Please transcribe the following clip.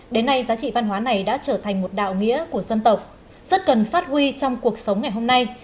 đến nay giá trị văn hóa này đã trở thành một đạo nghĩa của dân tộc rất cần phát huy trong cuộc sống ngày hôm nay